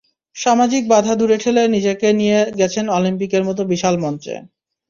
সামাজিক বাধা দূরে ঠেলে নিজেকে নিয়ে গেছেন অলিম্পিকের মতো বিশাল মঞ্চে।